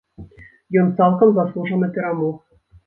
Ён цалкам заслужана перамог.